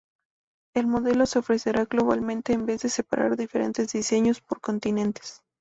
El modelo se ofrecerá globalmente en vez de separar diferentes diseños por continentes.